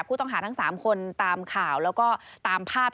ผู้ต้องหาทั้ง๓คนตามข่าวแล้วก็ตามภาพ